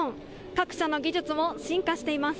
各社の技術も進化しています。